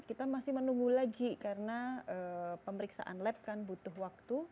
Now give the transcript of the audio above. kita masih menunggu lagi karena pemeriksaan lab kan butuh waktu